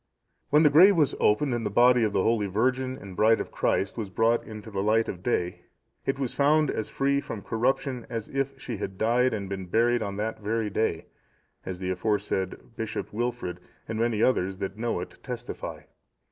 When the grave was opened and the body of the holy virgin and bride of Christ was brought into the light of day, it was found as free from corruption as if she had died and been buried on that very day; as the aforesaid Bishop Wilfrid, and many others that know it, testify.